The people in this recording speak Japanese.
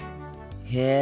へえ。